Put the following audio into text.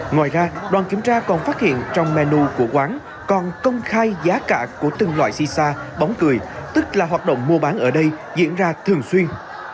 ngoài ra đoàn kiểm tra còn phát hiện trong menu của quán còn công khai giá cả của từng loại sisa bóng cười tức là hoạt động mua bán ở đây diễn ra thường xuyên